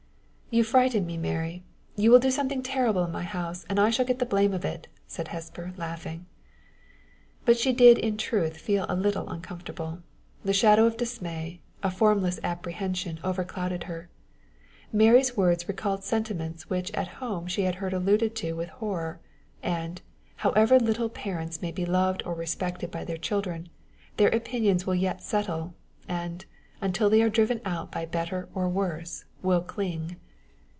"You frighten me, Mary! You will do something terrible in my house, and I shall get the blame of it!" said Hesper, laughing. But she did in truth feel a little uncomfortable. The shadow of dismay, a formless apprehension overclouded her. Mary's words recalled sentiments which at home she had heard alluded to with horror; and, however little parents may be loved or respected by their children, their opinions will yet settle, and, until they are driven out by better or worse, will cling.